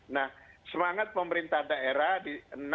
nah semangat pemerintah daerah di enam